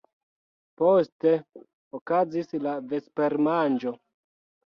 Poste okazis la vespermanĝo.